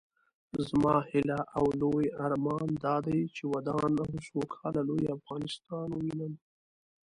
زما هيله او لوئ ارمان دادی چې ودان او سوکاله لوئ افغانستان ووينم